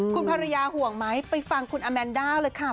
คุณภรรยาห่วงไหมไปฟังคุณอาแมนด้าเลยค่ะ